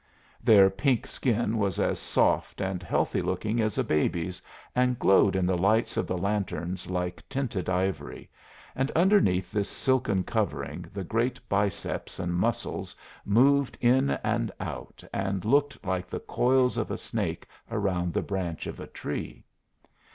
Their pink skin was as soft and healthy looking as a baby's, and glowed in the lights of the lanterns like tinted ivory, and underneath this silken covering the great biceps and muscles moved in and out and looked like the coils of a snake around the branch of a tree.